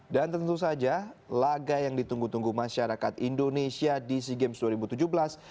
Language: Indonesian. dan tentu saja laga yang ditunggu tunggu masyarakat indonesia di sea games dua ribu tujuh belas